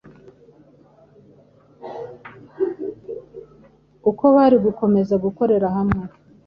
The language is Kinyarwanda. Uko bari gukomeza gukorera hamwe,